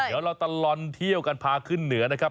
เดี๋ยวเราตลอดเที่ยวกันพาขึ้นเหนือนะครับ